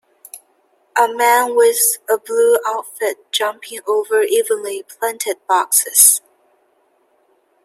A man with a blue outfit jumping over evenly planted boxes.